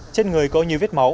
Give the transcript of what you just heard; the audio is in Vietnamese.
trên người có nhiều viết máu